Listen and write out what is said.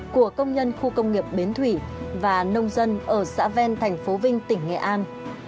của công nhân khu công nghiệp bến thủy và nông dân ở xã ven thành phố vinh tỉnh nghệ an